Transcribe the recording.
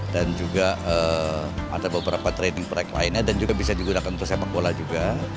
dan juga ada beberapa training break lainnya dan juga bisa digunakan untuk sepak bola juga